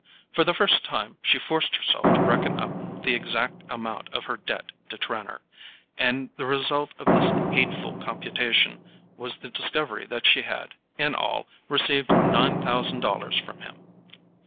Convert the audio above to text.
For the first time she forced herself to reckon up the exact amount of her debt to Trenor; and the result of this hateful computation was the discovery that she had, in all, received nine thousand dollars from him.